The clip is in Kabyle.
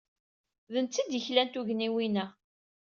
D netta ay d-yeklan tugniwin-a.